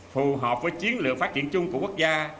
phù hợp với chiến lược phát triển chung của quốc gia